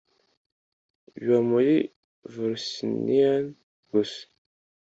Biba Muri Volsinian gusa